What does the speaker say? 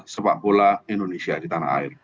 sepak bola indonesia di tanah air